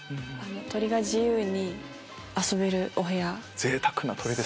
鳥が自由に遊べるお部屋。